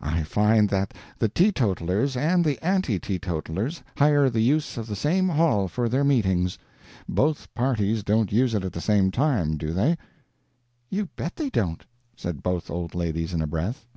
I find that the teetotalers and the anti teetotalers hire the use of the same hall for their meetings. Both parties don't use it at the same time, do they?" "You bet they don't!" said both old ladies in a breath.